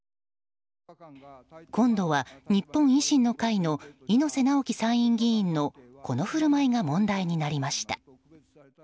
今度は日本維新の会の猪瀬直樹参院議員のこの振る舞いが問題になりました。